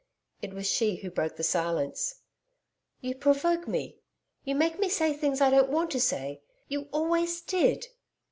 It was she who broke the silence. 'You provoke me. You make me say things I don't want to say. You always did.'